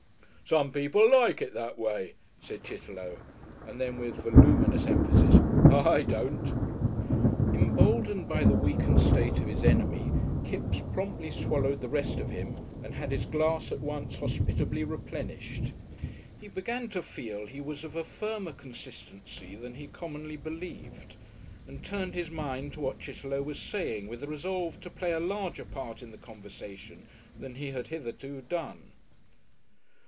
"Some people like it that way," said Chitterlow, and then with voluminous emphasis, "I don't." Emboldened by the weakened state of his enemy Kipps promptly swallowed the rest of him and had his glass at once hospitably replenished. He began to feel he was of a firmer consistency than he commonly believed, and turned his mind to what Chitterlow was saying with the resolve to play a larger part in the conversation than he had hitherto done.